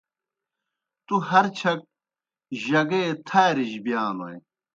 تُوْ ہر چھک جگے تھارِجیْ بِیانوئے۔